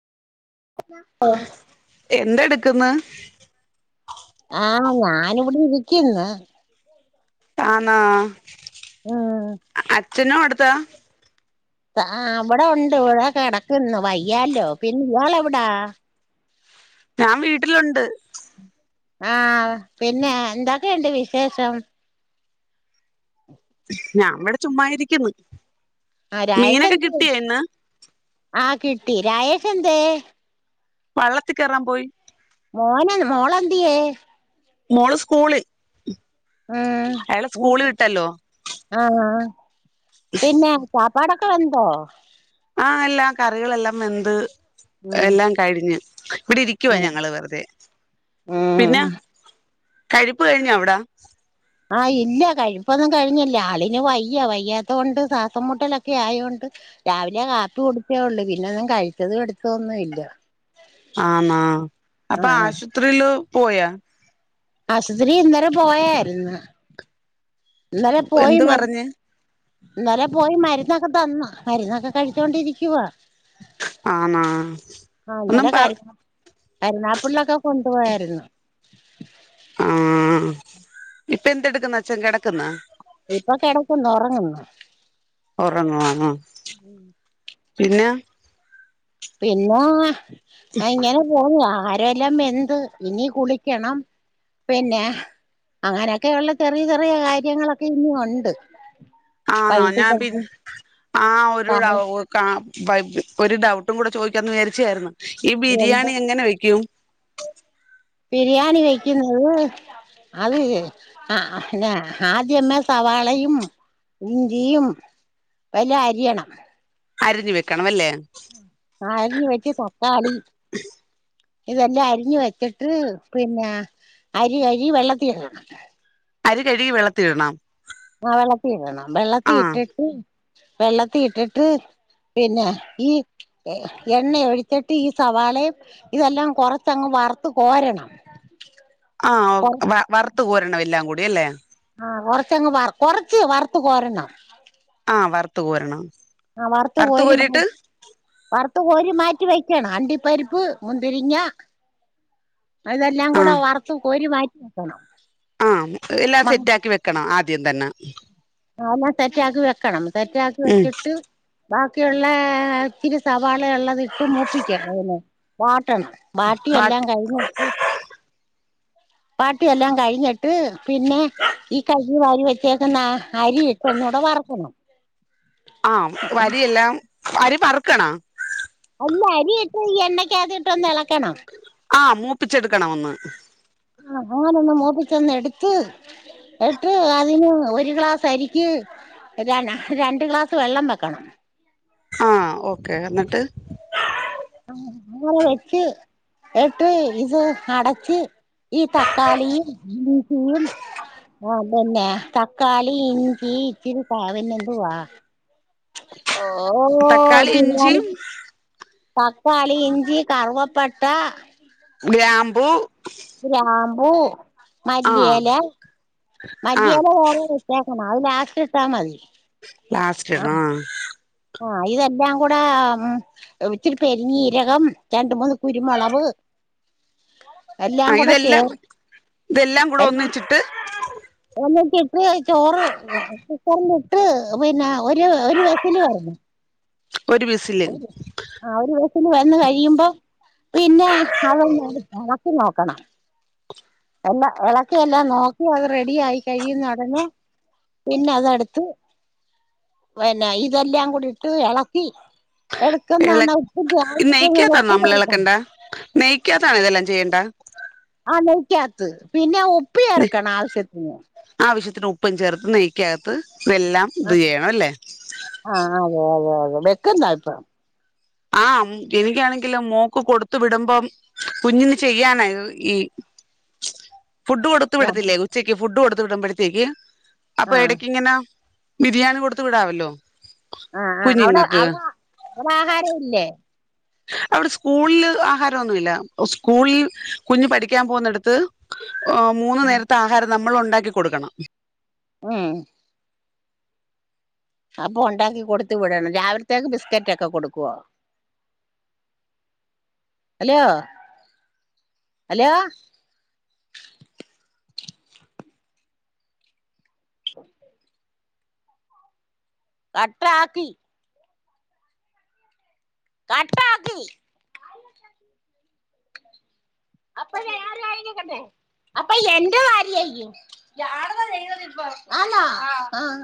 എന്തെടുക്കന്ന്? ആ ഞാനിവിടെ ഇരിക്കന്ന്. ആണാ. ആ ച്ചന്ന് കൊടുത്താ? ആ അവിടെ ഒണ്ട് ഇവിടെ കിടക്കുന്നു വയ്യാല്ലോ പിന്നെ ഇയാളെവിടാ? അ ആ പിന്നെ എന്തൊക്കെയുണ്ട് വിശേഷം? ഞാവിടെ ചുമ്മാരിക്കുന്നു മീനൊക്കെ കിട്ടിയൊ ഇന്ന്? ആ കിട്ടി രായേഷെന്തേ? വള്ളത്തി കേറാൻ പോയി. മോന മോളെന്തിയേ? മോള് സ്കൂളിൽ അയളെ സ്കൂളി വിട്ടല്ലോ. ആ പിന്നെ ചാപ്പാടൊക്കെ വെന്തോ? എല്ലാം കറികളെല്ലാം വെന്ത്. ഉം എല്ലാം കഴിഞ്ഞു ഇവിടെ ഇരിക്കുവാ ഉം ഞങ്ങള് വെറുതെ. ഉം പിന്നെ കഴിപ്പ് കഴിഞ്ഞോ അവിടാ? ആ ഇല്ല കഴിപ്പൊന്നും കഴിഞ്ഞില്ല ആളിന് വയ്യ, വയ്യാത്ത കൊണ്ട് ശ്വാസംമുട്ടലൊക്കെ ആയോണ്ട് രാവിലെ കാപ്പി കുടിച്ചേ ഒള്ളു പിന്നൊന്നും കഴിച്ചതും എടുത്തതുമൊന്നും ഇല്ല. ആണാ, അപ്പ ആഹ് ആശുത്രിയില് പോയാ? ആശുത്രി ഇന്നലെ പോയായിരുന്നു ഇന്നലെ പോയി എന്ത് മരുന്ന് പറഞ്ഞ് ഇന്നലെ പോയി മരുന്നൊ ഒക്കെ തന്ന്. മരുന്നൊക്കെ കഴിച്ചോണ്ടിരിക്കുവ. ആണാ, ഒന്നും പറ കരുനാഗപ്പള്ളിലൊക്കെ കൊണ്ടു പോയാരുന്നു. ആ, ഇപ്പ എന്തെടുക്കുന്നച്ചൻ കെടക്കുന്നോ? ഇപ്പൊ കെടക്കന്ന് ഒറങ്ങുന്നു. ഒറങ്ങുവാണ് ആ പിന്നെ? പിന്നെ ആ ഇങ്ങനെ പോകുവാ. അരിയെല്ലാം വെന്ത് ഇനി കുളിക്കണം പിന്നെ അങ്ങനൊക്കെയുള്ള ചെറിയ ചെറിയ കാര്യങ്ങളൊക്കെ ഇനി ഉണ്ട് ആണോ ഞാൻ വൈകിട്ട് പി ആ ഒരു ചായ ഒരു ഡൌട്ട് ഒന്നും കൂടെ ചോദിക്കാന്ന് വിചരിച്ചായിരുന്നു ഈ എന്ത് ബിരിയാണി എങ്ങനെ വെക്കും ബിരിയാണി കഴിക്കുന്നത് അത് ആ ആദ്യമേ സവാളയും ഇഞ്ചിയും നല്ലോ അരിയണം അരിഞ്ഞു വെക്കണം അല്ലെ നനഞ്ഞു വെച്ചി തക്കാളി [unintelligible] ഇതെല്ലാം അറിഞ്ഞി വെച്ചിട്ട് പിന്നെ അരി കഴിവി വെള്ളത്തിണം അരി കഴുകി വെള്ളത്തിടണം ആ വെള്ളത്തി ഇടണം വെള്ളത്തി ഇട്ടിട്ട് വെള്ളത്തി ഇട്ടിട്ട് പിന്നെ ഈ എണ്ണ ഒഴിച്ചിട്ട് ഈ സവാളയും ഇതെല്ലാം കൊറച്ചങ്ങ് വറത്തു കോരണം ആ വ വറുത്ത കോരണം എല്ലാം കൂടി അല്ലേ ആ കൊറച്ചങ് വ കൊറച്ച് വറുത്ത കൊരണം ആ വറുത്ത് കോരണം ആ വറുത്തു വറുത്ത് കോരി കോരിട്ട് വറുത്തു കോരി മാറ്റി വെ അണ്ടി പരിപ്പ് മുന്തിരിങ്ങാ അതെല്ലാം ആ കൂടെ വറുത്തു കോരി മാറ്റി വെക്കണം ആ എല്ലാം സെറ്റാക്കി വെക്കണം ആദ്യം തന്നെ ആ എല്ലാം സെറ്റ് ആക്കി വെക്കണം സെറ്റാക്കി ഉം വെച്ചിട്ട് ബാക്കിയുള്ള ഇത്തിരി സവാള ഉള്ളത് ഇട്ട് മൂപ്പിക്കണം കിട്ടണം വാട്ടിയെല്ലാം എല്ലാം ബാക്കി കഴിഞ്ഞിട്ട് വാട്ടിയെല്ലാം കഴിഞ്ഞിട്ട് പിന്നെ ഈ കൈകി വാരി വെച്ചേക്കുന്ന അരി ഇട്ടൊന്ന് അത് വറക്കണം ആ വരിയെല്ലാം [unintelligible] വരി പറക്കണാ ഇല്ല അരിയിട്ട് ഈ എണ്ണക്ക്യാതിട്ട് ഒന്ന് ഇളക്കണം ആ മൂപ്പിച്ചെടുക്കണം ഒന്ന് ആ ഞാനൊന്ന് മോപ്പിചൊന്ന് എടുത്ത് എട്ട് അതിന് ഒരു ഗ്ലാസ് അരിക്ക് രണ്ട ഗ്ലാസ് വെള്ളം വെക്കണം ആ ഓക്കെ എന്നിട്ട് ആ അളെ [unintelligible] വെച്ചി എട്ടി ഇത് അടച്ചി ഈ തക്കാളി മീസി [unintelligible] ആ അതന്നെ തക്കാളി ഇഞ്ചി ഇച്ചിരി സ [unintelligible] പിന്നെ എന്തുവാ ഓ തക്കാളി പിന്നഞൻ ഇഞ്ചിയും [unintelligible] തക്കാളി ഇഞ്ചി കറവപ്പട്ട ഗ്രാമ്പു പൂ ആ മല്ലിയെല ആ മല്ലിയെല വേറെ വച്ച [unintelligible] അത് ലാസ്റ്റ് ഇട്ടാമതി ലാസ്റ്റ് ഇടണോ ആഹ ഇതെല്ലാം കൂടെ ഇച്ചിരി പെരിഞ്ഞീരകം രണ്ട് മൂന്ന് കുരുമുളക് [inaudible] എല്ലാം ആഹ് കൂടെ ഇതെല്ലാം ചേർ ഇതെല്ലാം കൂടെ [unintelligible] എല്ലാം ഒന്നിച്ചിട്ട് എ ഇട്ട് ചോറ് കുക്കറിലിട്ട് പിന്നെ ഒരു ഒരു വിസില് വരണം ഒരു വിസില് ഒരു ആ ഒരു വന്ന് കഴിയുമ്പോ പിന്നെ അതൊന്ന് ഇളക്കി നോക്കണം എല്ലാ ഇളക്കിെല്ലാം നോക്കി അത് റെഡി ആയി കഴിയുന്നടഞ്ഞ പിന്നെ അതടുത്ത് പിന്നെ ഇതെല്ലാം കൂടിട്ട് ഇളക്കി എടുക്കുന്ന നെയ്ക്കാത്താണ നമ്മൾ ഇളക്കണ്ട നെയ്ക്കാത്താണോ ഇതെല്ലാം ചെയ്യേണ്ട ആ നെയക്കാത്ത പിന്നെ ഉപ്പി എറക്കണ ആവശ്യത്തിന് ത്തി ഉപ്പും ചേർത്ത് നെയ്ക്കകത്ത് ഇതെല്ലാം ആ ഇത് ചെയ്യണം അല്ലേ ആ അതെ അതെ വെക്ക എന്താ അഭിപ്രായം ആഹ എനിക്കാണെങ്കിലും മോക്ക് കൊടുത്തു വിടുമ്പം കുഞ്ഞിന്ന് ചെയ്യാനായിത് ഈ ന്നവഹജ് ഫുഡ് കൊടുത്ത വിടത്തില്ലേ ഉച്ചക്ക് ഫുഡ് കൊടുത്ത വിടുമ്പോഴത്തേക്ക് അപ്പൊ ആ ഇടക്കിങ്ങനെ ബിരിയാണി കൊടുത്ത വിടാവല്ലോ ആഹ ആ അവിടെ കുഞ്ഞുങ്ങൾക്ക് അവിടെ അവിടെ ആഹാര ഇല്ലേ ആ അവിടെ സ്കൂളില് ആഹാരംമൊന്നുമല്ല സ്കൂളിൽ കുഞ്ഞ് പഠിക്കാൻ പോകുന്നടുത്ത് മൂന്നു നേരത്തെ ആഹാരം നമ്മൾ ഉണ്ടാക്കി കൊടുക്കണം ആഹ അപ്പൊ ഉണ്ടാക്കി കൊടുത്ത വിടണം രാവിലത്തേക്ക് ബിസ്കറ്റ് ഒക്കെ കൊടുക്കുവോ അല്ലയോ ഹലോ കട്ടാക്കി കട്ടാക്കി അപ്പേ യാര് ആക കഥെ അപ്പ എന്റെ ഭാര്യയയോ ആാ ആ